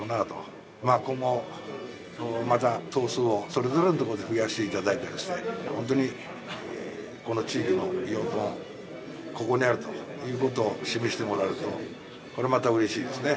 今後また頭数をそれぞれの所で増やしていただいたりして本当にこの地域の養豚ここにありということを示してもらえるとこれまたうれしいですね。